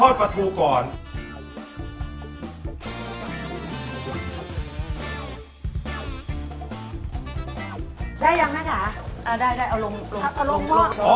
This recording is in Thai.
แล้วปลาทูนี้ต้องทอดไหมครับเอาลงเลยแม่ทดปลาทูก่อน